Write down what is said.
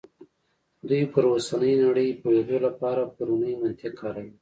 دوی پر اوسنۍ نړۍ پوهېدو لپاره پرونی منطق کاروي.